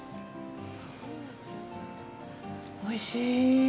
おいしい！